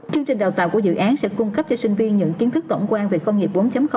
chương trình đào tạo của dự án sẽ cung cấp cho sinh viên những kiến thức tổng quan về công nghiệp bốn